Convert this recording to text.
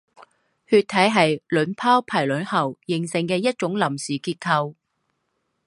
血体是卵泡排卵后形成的一种临时结构。